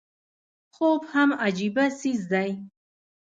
خوب هم عجيبه څيز دی